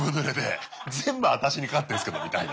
全部あたしにかかってんですけどみたいな。